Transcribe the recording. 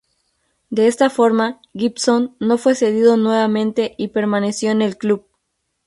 De esta forma, Gibson no fue cedido nuevamente y permaneció en el club.